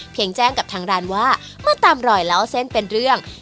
เพียงแจ้งกับทางร้านว่ามาตามรอยแล้วเส้นเป็นเรื่อง